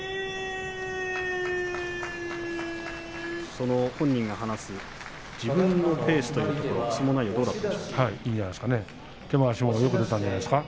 その本人が話す自分のペースというところ、相撲内容はいいんじゃないですか。